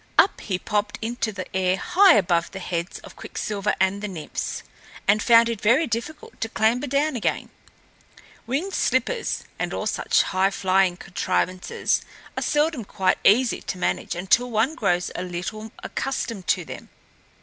upward he popped into the air high above the heads of Quicksilver and the Nymphs, and found it very difficult to clamber down again. Winged slippers and all such high flying contrivances are seldom quite easy to manage until one grows a little accustomed to them.